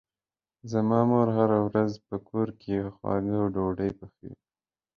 زما مور هره ورځ په کور کې خواږه او ډوډۍ پخوي.